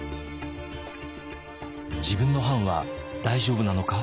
「自分の藩は大丈夫なのか？」。